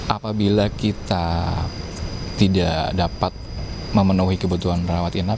apabila kita tidak dapat memenuhi kebutuhan merawat inap